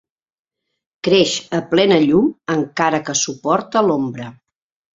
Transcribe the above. Creix a plena llum, encara que suporta l'ombra.